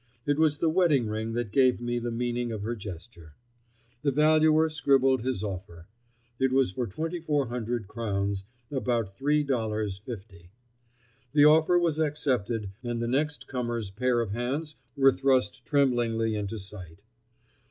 It was the wedding ring that gave me the meaning of her gesture. The valuer scribbled his offer. It was for 2,400 crowns—about three dollars fifty. The offer was accepted and the next comer's pair of hands were thrust tremblingly into sight.